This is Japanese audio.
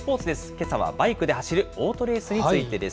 けさはバイクで走るオートレースについてです。